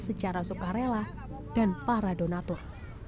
secara sukarela dan para donatur